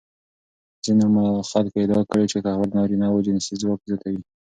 ځینو خلکو ادعا کړې چې قهوه د نارینوو جنسي ځواک زیاتوي.